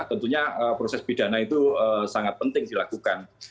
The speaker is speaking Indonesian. tentunya proses pidana itu sangat penting dilakukan